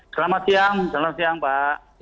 selamat siang selamat siang pak